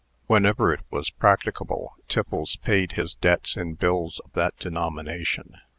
(Whenever it was practicable, Tiffles paid his debts in bills of that denomination.